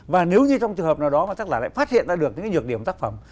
và nếu như trong trường hợp nào đó mà tác giả lại phát hiện ra được những nhược điểm tác phẩm